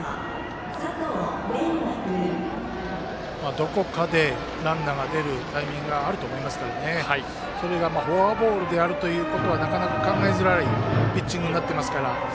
どこかでランナーが出るタイミングがあると思いますが、それがフォアボールであるということはなかなか考えづらいピッチングになっていますから。